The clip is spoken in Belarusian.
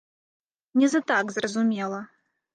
Не за так, зразумела.